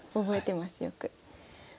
覚えてますよく。